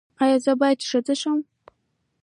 ایا زه باید ښځه شم؟